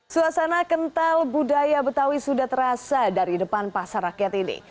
suasana kental budaya betawi sudah terasa dari depan pasar rakyat ini